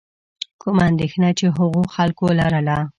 کومه اندېښنه چې هغو خلکو لرله.